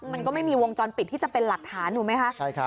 มันก็ไม่มีวงจรปิดที่จะเป็นหลักฐานถูกไหมคะ